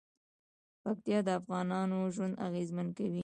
پکتیکا د افغانانو ژوند اغېزمن کوي.